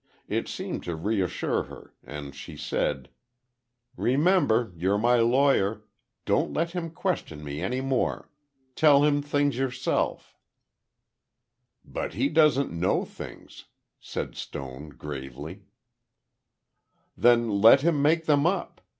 It seemed to reassure her, and she said, "Remember, you're my lawyer. Don't let him question me any more. Tell him things yourself—" "But he doesn't know things—" said Stone, gravely. "Then let him make them up!